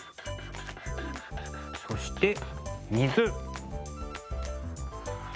そして水。